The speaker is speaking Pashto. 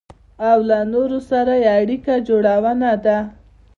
او له نورو سره يې اړيکه جوړونه ده.